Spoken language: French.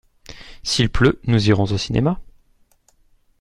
S’il pleut nous irons au cinéma.